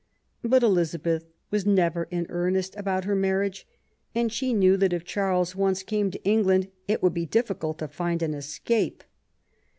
But Elizabeth was never in earnest about her marriage, and she knew that if Charles once came to England it would be difficult to find an escape.